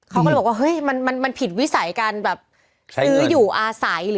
เขาก็บอกว่ามันผิดวิสัยการซื้ออยู่อาศัย